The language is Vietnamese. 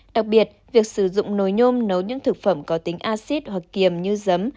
đặc biệt việc sử dụng nồi nhôm nấu những thực phẩm có tính acid hoặc kiềm như giấm